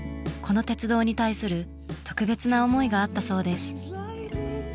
この鉄道に対する特別な思いがあったそうです。